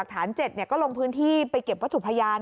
หลักฐาน๗เนี่ยก็ลงพื้นที่ไปเก็บวัตถุพยาน